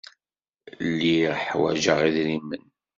Lliɣ ḥwajeɣ idrimen.